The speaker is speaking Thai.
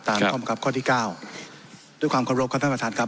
ตามข้อมูลครับข้อที่เก้าด้วยความเคารพของท่านประธานครับ